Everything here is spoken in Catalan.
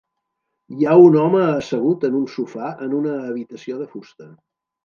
Hi ha un home assegut en un sofà en una habitació de fusta.